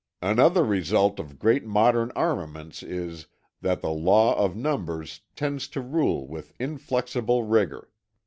Another result of great modern armaments is, that the law of numbers tends to rule with inflexible rigour.